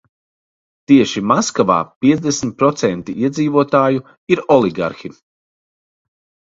Tieši Maskavā piecdesmit procenti iedzīvotāju ir oligarhi.